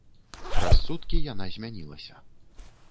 Праз суткі яна змянілася.